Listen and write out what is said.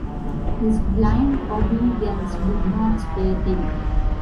His blind obedience did not spare him.